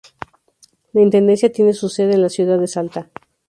La intendencia tiene su sede en la ciudad de Salta.